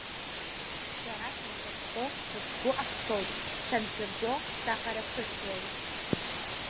Шәара саншәырҽхәо, схы-сгәы ахшәоит, саншәырџьо саҟара сыцлоит.